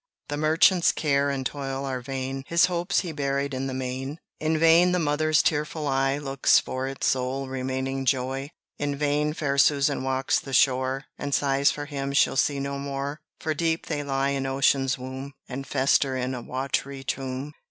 The merchant's care and toil are vain, His hopes He buried in the main In vain the mother's tearful eye Looks for its sole remaining joy In vain fair Susan walks the shore, And sighs for him she'll see no more For deep they lie in ocean's womb, And fester in a wat'ry tomb.